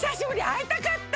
あいたかった！